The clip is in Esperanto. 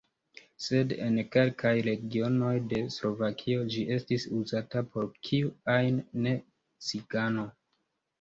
Sed en kelkaj regionoj de Slovakio ĝi estis uzata por kiu ajn ne-cigano.